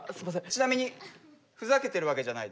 ちなみにふざけてるわけじゃないですよね？